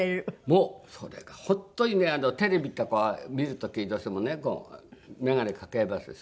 もうそれが本当にねテレビとか見る時にどうしてもねこう眼鏡かけますでしょ？